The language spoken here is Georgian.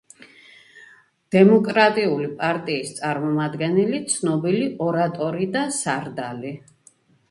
დემოკრატიული პარტიის წარმომადგენელი, ცნობილი ორატორი და სარდალი.